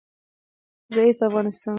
ضعیفه افغانستان